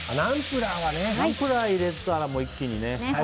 ナンプラー入れたら一気にね。